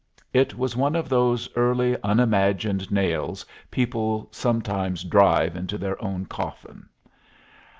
It was one of those early unimagined nails people sometimes drive in their own coffins.